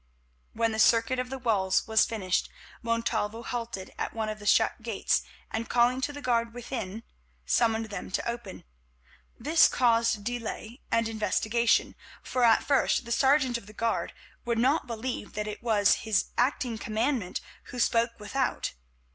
When the circuit of the walls was finished, Montalvo halted at one of the shut gates, and, calling to the guard within, summoned them to open. This caused delay and investigation, for at first the sergeant of the guard would not believe that it was his acting commandant who spoke without.